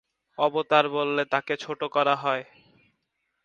অবতার বললে তাঁকে ছোট করা হয়।